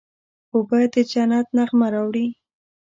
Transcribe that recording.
اوبه د جنت نغمه راوړي.